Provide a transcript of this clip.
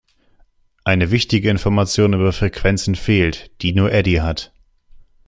Eine wichtige Information über Frequenzen fehlt, die nur Eddie hat.